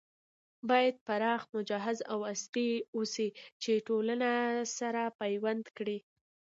بايد پراخ، مجهز او عصري اوسي چې ټولنه سره پيوند کړي